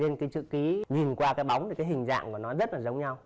thế nên cái chữ ký nhìn qua cái bóng thì cái hình dạng của nó rất là giống nhau